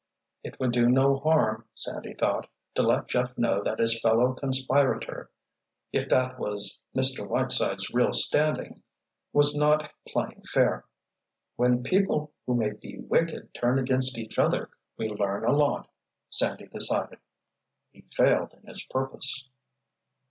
It would do no harm, Sandy thought, to let Jeff know that his fellow conspirator, if that was Mr. Whiteside's real standing, was not playing fair. "When people who may be wicked turn against each other, we learn a lot," Sandy decided. He failed in his purpose.